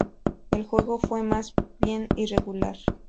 El juego fue más bien irregular.